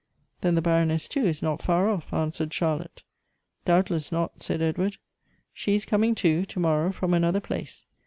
"Then the Baroness, too, is not far oflF," answered Charlotte. " Doubtless not," said Edward. " She is coming, too, to morrow, from another place.